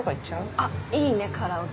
あっいいねカラオケ。